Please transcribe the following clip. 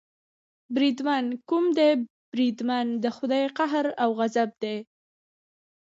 بریدمن، کوم دی بریدمن، د خدای قهر او غضب دې.